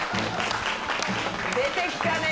出てきたね。